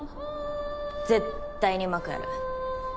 絶対にうまくやる。